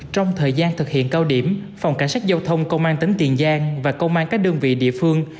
trong thời gian thực hiện cao điểm phòng cảnh sát giao thông công an tỉnh tiền giang và công an các đơn vị địa phương